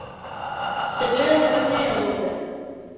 Се гледа дека не е од овде.